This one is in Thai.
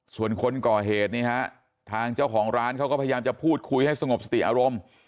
ส่วนคนก่อเหตุนี่ฮะทางเจ้าของร้านเขาก็พยายามจะพูดคุยให้สงบสติอารมณ์